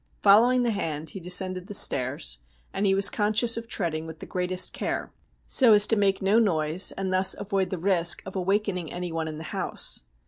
Following the hand he descended the stairs, and he was conscious of treading with the greatest care, so as to make no noise, and thus avoid the risk of awakening anyone in the house.